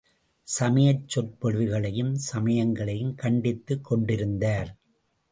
சமயச் சொற்பொழிவுகளையும், சமயங்களையும் கண்டித்துக் கொண்டிருந்தார்.